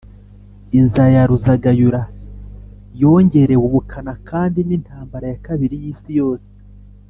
Inzara ya Ruzagayura yongerewe ubukana kandi n’intambara ya kabiri y’isi yose